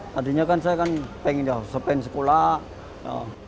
tadinya kan saya pengen sekolah